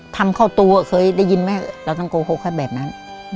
ทำเข้าตัวเคยได้ยินไหมเราต้องโกหกให้แบบนั้น